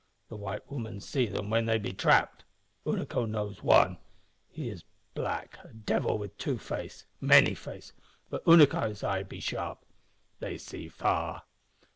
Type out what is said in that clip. The white woman see them when they be trapped. Unaco knows one. He is black a devil with two face many face, but Unaco's eyes be sharp. They see far."